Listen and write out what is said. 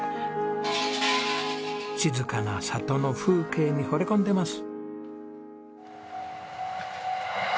静かな里の風景にほれ込んでます。